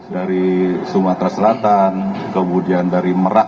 dari sumatera selatan kemudian dari merak